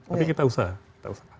tapi kita usaha kita usahakan